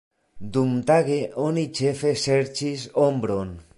Dumtage oni ĉefe serĉis ombron.